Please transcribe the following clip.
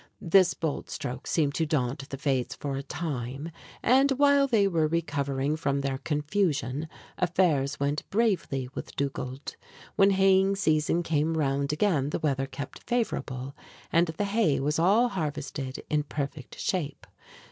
This bold stroke seemed to daunt the Fates for a time, and while they were recovering from their confusion affairs went bravely with Dugald. When haying season came round again the weather kept favorable, and the hay was all harvested in perfect shape.